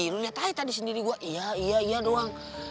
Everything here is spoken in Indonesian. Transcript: lo lihat aja tadi sendiri gue iya iya doang